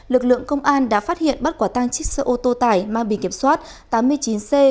lực lượng công an đã phát hiện bắt quả tang chiếc xe ô tô tải mang bình kiểm soát tám mươi chín c tám nghìn bốn trăm linh ba